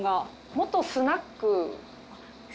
元スナックで。